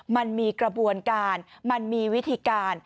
มันมีกระบวนการมันมีวิธีการ